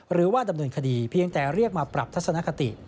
หรือว่าดำเนินคดีเพียงแต่เรียกมาปรับทัศนคติ